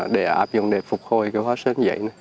để áp dụng để phục hồi hoa sen dậy